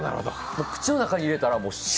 口の中に入れたらしゅ